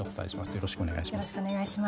よろしくお願いします。